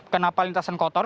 kenapa lintasan kotor